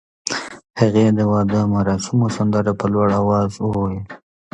هغې د واده مراسمو سندره په لوړ اواز وویل.